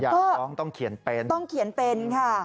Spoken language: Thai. อยากฟ้องต้องเขียนเป็น